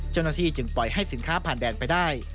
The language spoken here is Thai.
เจ้าหน้าที่จึงปล่อยให้สินค้าผ่านแดนไปได้